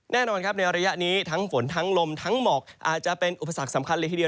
แน่นอนครับในระยะนี้ทั้งฝนทั้งลมทั้งหมอกอาจจะเป็นอุปสรรคสำคัญเลยทีเดียว